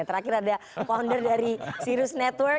terakhir ada founder dari sirus network